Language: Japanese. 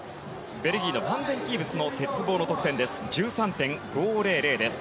ベルギーのファン・デン・キーブスの鉄棒の得点１３．５００です。